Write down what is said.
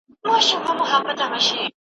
هغه غوښتل چي د موضوع په اړه یوه مقاله خپره کړي.